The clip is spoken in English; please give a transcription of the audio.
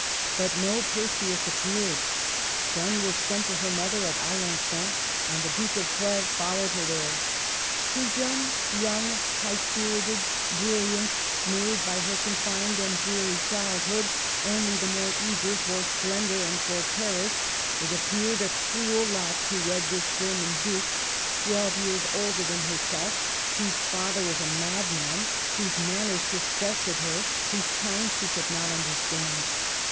But no Perseus appeared. Jeanne was sent to her mother at Alengon, and the Duke of Cleves followed her there. To Jeanne, young, high spirited, brilliant, made by her confined and dreary childhood only the more eager for splen dor and for Paris, it appeared a cruel lot to wed this German Duke, twelve years older than herself, whose father was a madman, whose manners disgusted her, whose tongue she could not understand.